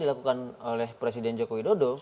dilakukan oleh presiden joko widodo